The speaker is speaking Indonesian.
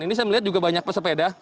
ini saya melihat juga banyak pesepeda